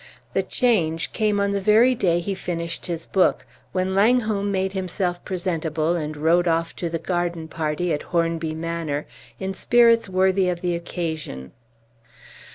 The change came on the very day he finished his book, when Langholm made himself presentable and rode off to the garden party at Hornby Manor in spirits worthy of the occasion.